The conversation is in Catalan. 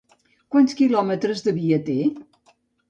Quants quilòmetres de via té?